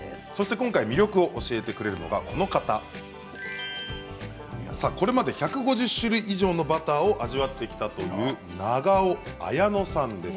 今回、魅力を教えてくれるのがこれまで１５０種類以上のバターを味わってきたという長尾絢乃さんです。